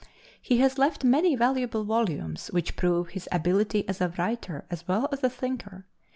He has left many valuable volumes which prove his ability as a writer as well as a thinker.